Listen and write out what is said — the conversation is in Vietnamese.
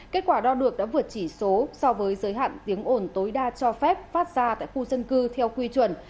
kết quả đo được đã vượt chỉ số so với giới hạn tiếng ồn tối đa cho phép phát ra tại khu dân cư theo quy chuẩn